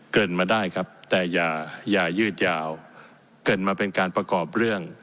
เกิดมาได้ครับแต่อย่ายืดยาวเกินมาเป็นการประกอบเรื่อง